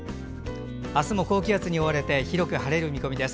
あすも高気圧に覆われて広く晴れる見込みです。